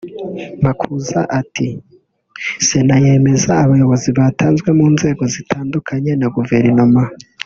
Makuza ati “Sena yemeza abayobozi batanzwe mu nzego zitandukanye na guverinoma